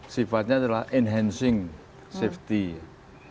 sifatnya adalah enhancing safety and security